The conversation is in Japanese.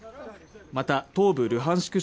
また東部ルハンシク